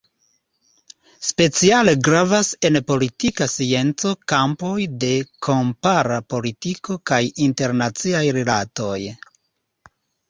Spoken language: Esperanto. Speciale gravas en politika scienco kampoj de kompara politiko kaj internaciaj rilatoj.